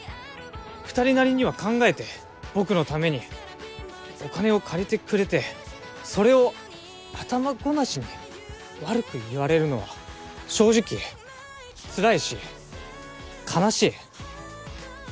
２人なりには考えて僕のためにお金を借りてくれてそれを頭ごなしに悪く言われるのは正直つらいし悲しい。